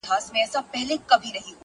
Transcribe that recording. • دلته به څه کړم غونچې د ګلو ,